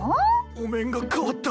お面が変わった。